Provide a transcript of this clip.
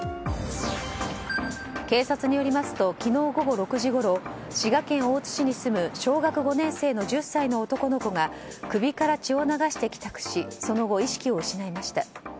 警察によりますと昨日午後６時ごろ滋賀県大津市に住む小学５年生の１０歳の男の子が首から血を流して帰宅しその後、意識を失いました。